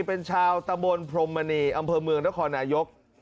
เป็นชาวตะบนพรมมณีอำเภอเมืองนครนายก